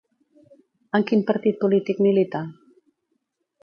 En quin partit polític milita?